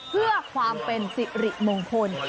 เพื่อความเป็นสิริมงคล